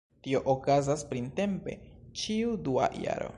Tio okazas printempe ĉiu dua jaro.